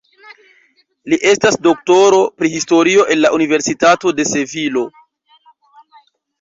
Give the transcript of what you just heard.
Li estas doktoro pri Historio el la Universitato de Sevilo.